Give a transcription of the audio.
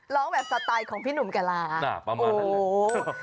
ร้องแบบสไตล์ของพี่หนุ่มกะลาประมาณนั้น